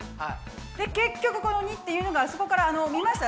で結局この②っていうのがあそこから見ました？